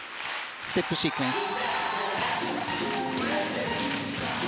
ステップシークエンス。